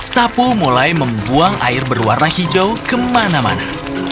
sapu mulai membuang air berwarna hijau kemana mana